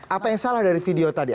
apa yang salah dari video tadi